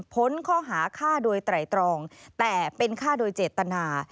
พ้นข้อหาฆ่าโดยไตรตรองแต่เป็นฆ่าโดยเจตนา